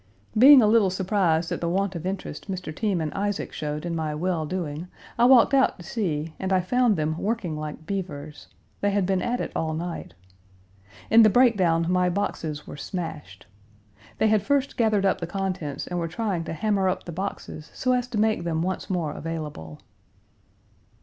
Being a little surprised at the want of interest Mr. Team and Isaac showed in my well doing, I walked out to see, and I found them working like beavers. They had been at it all night. In the break down my boxes were smashed. They had first gathered up the contents and were trying to hammer up the boxes so as to make them once more available.